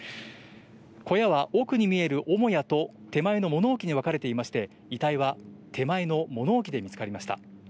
小屋は奥に見える母屋と、手前の物置に分かれていまして、遺体は手前の物置で見つかりました。